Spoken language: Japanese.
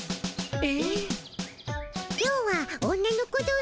え。